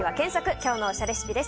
きょうのおしゃレシピです。